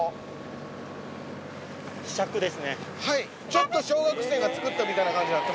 ちょっと小学生が作ったみたいな感じになってますけど。